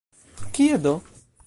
Kie do?